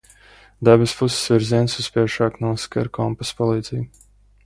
Debespuses virzienus visbiežāk nosaka ar kompasa palīdzību.